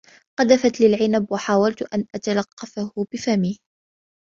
قذفت لي العنب وحاولت أن أتلقفه بفمي.